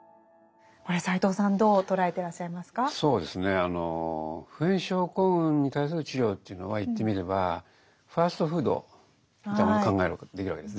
あの普遍症候群に対する治療というのは言ってみればファストフードみたいなものを考えることができるわけです。